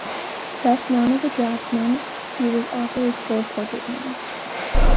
Best known as a draftsman, he was also a skilled portrait painter.